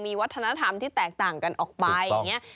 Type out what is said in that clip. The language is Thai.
มีวัฒนธรรมที่แตกต่างกันออกไป